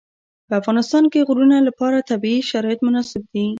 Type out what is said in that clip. په افغانستان کې د غرونه لپاره طبیعي شرایط مناسب دي.